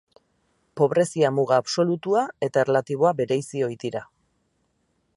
Pobrezia-muga absolutua eta erlatiboa bereizi ohi dira.